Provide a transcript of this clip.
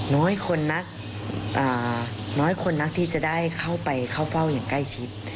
น้อยคนนักน้อยคนนักที่จะได้เข้าไปเข้าเฝ้าอย่างใกล้ชิด